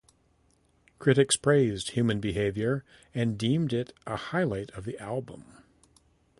Critics praised "Human Behaviour" and deemed it a highlight of the album.